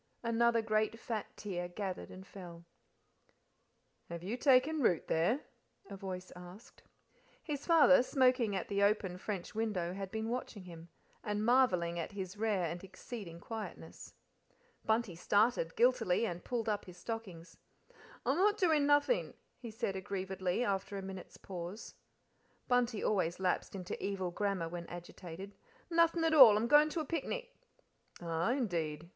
Another great fat tear gathered and fell. "Have you taken root there?" a voice asked. His father, smoking at the open french window, had been watching him, and marvelling at his rare and exceeding quietness. Bunty started, guiltily, and pulled up his stockings. "I'm not doin' nothin'," he said aggrievedly, after a minute's pause. Bunty always lapsed into evil grammar when agitated. "Nothing at all. I'm goin' to a picnic." "Ah, indeed!"